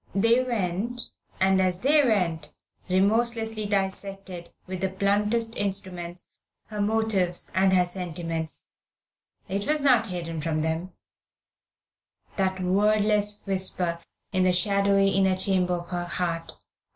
They went, and, as they went, remorselessly dissected, with the bluntest instruments, her motives and her sentiments. It was not hidden from them, that wordless whisper in the shadowy inner chamber of her heart.